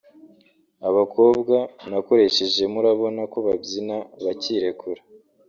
Abakobwa nakoreshejemo urabona ko babyina bakirekura